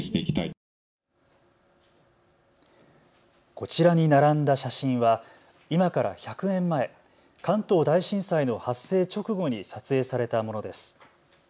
こちらに並んだ写真は今から１００年前、関東大震災の発生直後に撮影されたものです。